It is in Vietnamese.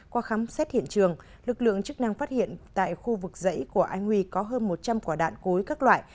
qua khám xét hiện trường lực lượng chức năng phát hiện tại khu vực dãy của anh huy có hơn một trăm linh quả đạn cối các loại